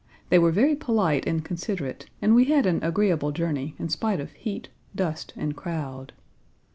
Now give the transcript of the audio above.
They were very polite and considerate, and we had an agreeable journey, in spite of heat, dust, and crowd.